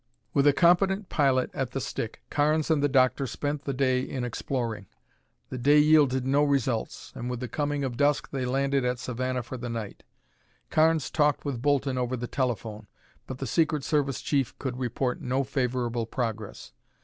With a competent pilot at the stick, Carnes and the Doctor spent the day in exploring. The day yielded no results, and with the coming of dusk they landed at Savannah for the night. Carnes talked with Bolton over the telephone, but the secret service chief could report no favorable progress.